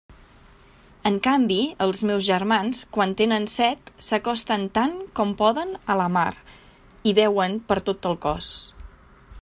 En canvi, els meus germans, quan tenen set, s'acosten tant com poden a la mar i beuen per tot el cos.